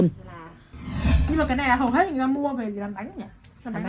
nhưng mà cái này là hầu hết người ta mua về làm bánh nhỉ